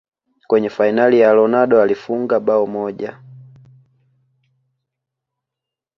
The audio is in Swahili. kwenye fainali ya ronaldo alifunga bao moja